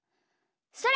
それ！